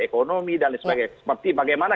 ekonomi dan sebagainya seperti bagaimana